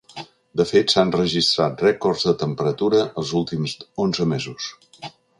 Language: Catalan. De fet, s’han registrat rècords de temperatura els últims onze mesos.